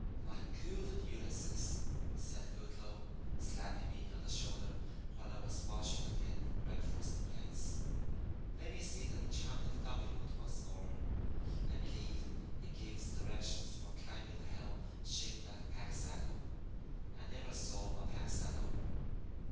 "My good Ulysses," said Goodloe, slapping me on the shoulder while I was washing the tin breakfast plates, "let me see the enchanted document once more. I believe it gives directions for climbing the hill shaped like a pack saddle. I never saw a pack saddle.